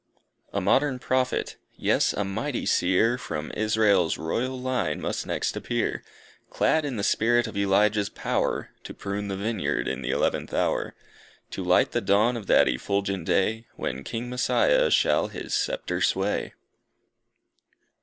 A modern Prophet! Yes, a mighty Seer! From Israel's royal line, must next appear; Clad in the spirit of Elijah's power, To prune the vineyard in th' eleventh hour; To light the dawn of that effulgent day, When King Messiah shall his sceptre sway.